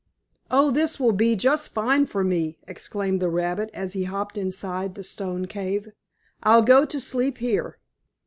"Oh, this will be just fine for me!" exclaimed the rabbit, as he hopped inside the stone cave. "I'll go to sleep here."